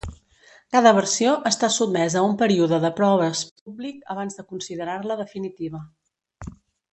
Cada versió està sotmesa a un període de proves públic abans de considerar-la definitiva.